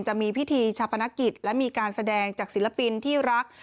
จะมีพิธีชาปนกิจและมีการแสดงจากศิลปินที่รัก